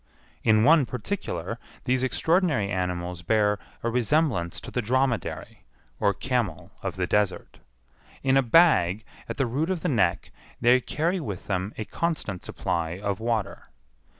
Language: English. In one particular these extraordinary animals bear a resemblance to the dromedary, or camel of the desert. In a bag at the root of the neck they carry with them a constant supply of water.